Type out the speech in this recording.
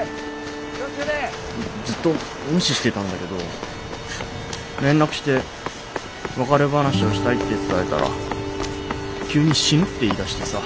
ずっと無視してたんだけど連絡して別れ話をしたいって伝えたら急に死ぬって言いだしてさ。